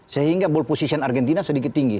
sehingga posisi argentina sedikit tinggi